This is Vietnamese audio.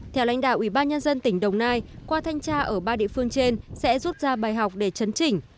theo lãnh đạo ubnd tỉnh đông nai qua thanh tra ở ba địa phương trên sẽ rút ra bài học để chấn chỉnh